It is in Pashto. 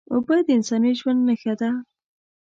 اوبه د انساني ژوند نښه ده